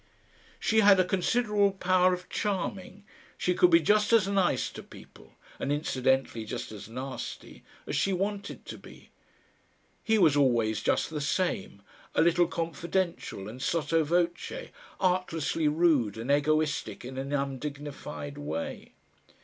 She had a considerable power of charming; she could be just as nice to people and incidentally just as nasty as she wanted to be. He was always just the same, a little confidential and SOTTO VOCE, artlessly rude and egoistic in an undignified way.